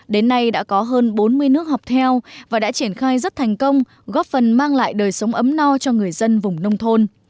đến nay đã có hơn bốn mươi nước học theo và đã triển khai rất thành công góp phần mang lại đời sống ấm no cho người dân vùng nông thôn